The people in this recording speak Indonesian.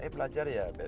eh belajar ya